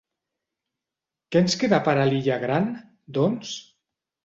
Què ens queda per a l'Illa Gran, doncs?